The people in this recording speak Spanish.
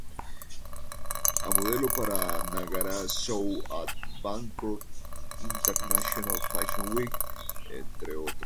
Ha modelo para "Nagara Show At Bangkok International Fashion Week", entre otros.